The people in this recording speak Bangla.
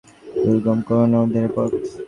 দুর্গম কোনো না উদ্ধারের পথ।